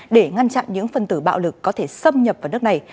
để ngăn chặn những phân tử bạo lực có thể xâm nhập vào nước này